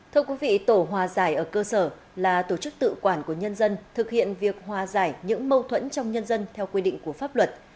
thưa quý vị tổ hòa giải ở cơ sở là tổ chức tự quản của nhân dân thực hiện việc hòa giải những mâu thuẫn trong nhân dân theo quy định của pháp luật